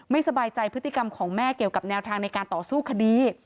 สบายใจพฤติกรรมของแม่เกี่ยวกับแนวทางในการต่อสู้คดี